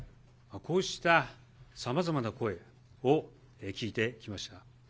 こうしたさまざまな声を聞いてきました。